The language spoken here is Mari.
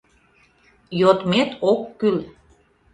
Йодмет ок кӱл.